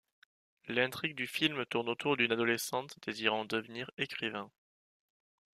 L'intringue du film tourne autour d'une adolescente désirant devenir écrivain.